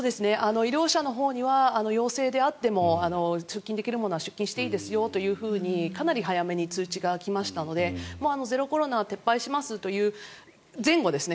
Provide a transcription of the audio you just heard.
医療者のほうには陽性であっても出勤できる者は出勤していいですよというふうにかなり早めに通知が来ましたのでゼロコロナを撤廃しますという前後ですね。